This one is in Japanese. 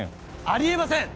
ありえません！